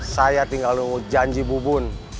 saya tinggal nunggu janji bubun